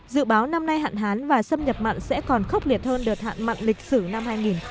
dự báo năm nay hạn hán và xâm nhập mặn sẽ còn khốc liệt hơn đợt hạn mặn lịch sử năm hai nghìn một mươi sáu